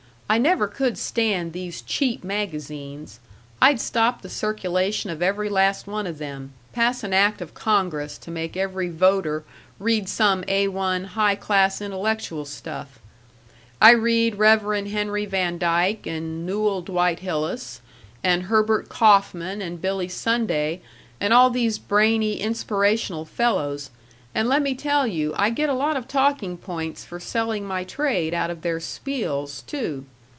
I never could stand these cheap magazines. I'd stop the circulation of every last one of them; pass an act of Congress to make every voter read some A 1, high class, intellectual stuff. I read Rev. Henry van Dyke and Newell Dwight Hillis and Herbert Kaufman and Billy Sunday, and all these brainy, inspirational fellows, and let me tell you I get a lot of talking points for selling my trade out of their spiels, too.